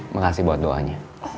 makasih buat doanya